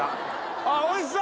あっおいしそう！